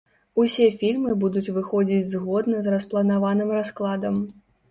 Усе фільмы будуць выходзіць згодна з распланаваным раскладам.